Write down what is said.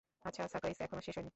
আচ্ছা, সারপ্রাইজ এখনও শেষ হয়নি!